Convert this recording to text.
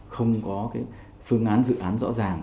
không có phương án dự án rõ ràng